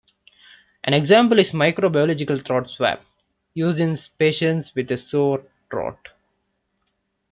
An example is the microbiological throat swab used in patients with a sore throat.